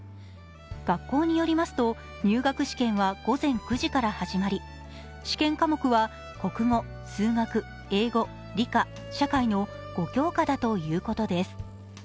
学校によりますと、入学試験は午前９時から始まり、試験科目は国語、数学、英語、理科、社会の５教科だということです。